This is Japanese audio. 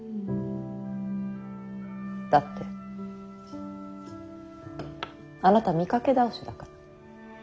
だってあなた見かけ倒しだから。